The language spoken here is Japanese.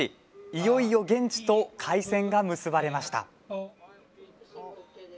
いよいよ現地と回線が結ばれました。